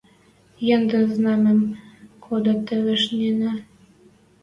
Ӹнде знамӹм кодат тевеш нинӹ